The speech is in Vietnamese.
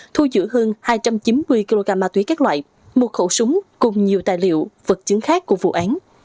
thu giữ hơn hai trăm chín mươi kg ma túy các loại một khẩu súng cùng nhiều tài liệu vật chứng khác của vụ án